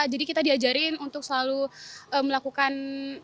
jadi kita diajarin untuk selalu melakukan